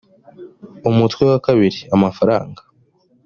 umutwe wa kabiri amafaranga